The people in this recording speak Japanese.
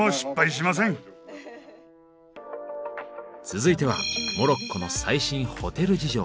続いてはモロッコの最新ホテル事情。